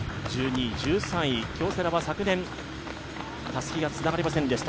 １２位、１３位、京セラは昨年、たすきがつながりませんでした。